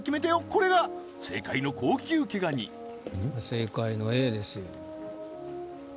これが正解の高級毛ガニ正解のＡですよ